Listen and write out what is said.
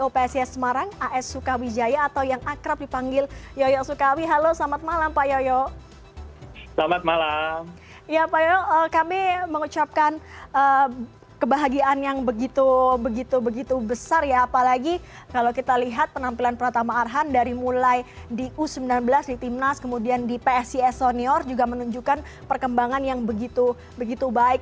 pak yo kami mengucapkan kebahagiaan yang begitu begitu besar ya apalagi kalau kita lihat penampilan pertama arhan dari mulai di u sembilan belas di timnas kemudian di pscs senior juga menunjukkan perkembangan yang begitu begitu baik